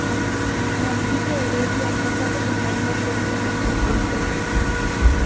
Narciso Heredia, casado con María Cerviño y Pontejos.